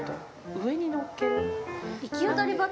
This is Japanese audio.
上にのっける？